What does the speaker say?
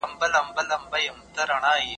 پښتو کلمو لپاره املا ډېره ضروري ده.